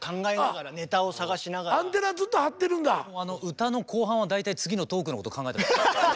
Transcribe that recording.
歌の後半は大体次のトークのこと考えてます。